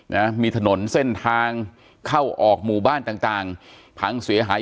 นะมีถนนเส้นทางเข้าออกหมู่บ้านต่างต่างพังเสียหาย